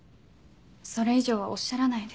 それ以上はおっしゃらないで。